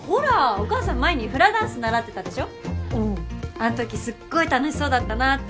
あのときすっごい楽しそうだったなって。